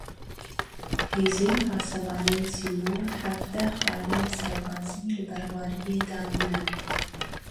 Hêzên Pasevanên Sînor hevdeh xalên serbazî li Berwariyê danîne.